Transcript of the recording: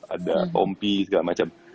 ada tompi segala macem